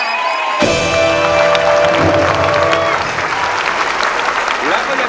กลับมาเมื่อเวลาที่สุดท้าย